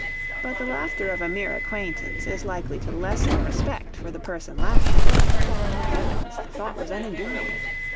But the laughter of a mere acquaintance is likely to lessen respect for the person laughed at. Heavens! the thought was unendurable!